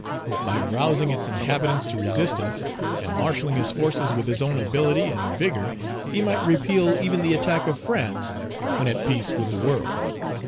By rousing its inhabitants to resistance, and marshalling his forces with his own ability and vigor, he might repeal even the attack of France when at peace with the world.